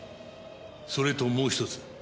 それともう１つ。